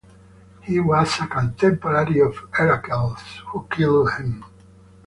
He was a contemporary of Heracles, who killed him.